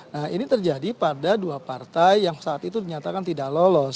nah ini terjadi pada dua partai yang saat itu dinyatakan tidak lolos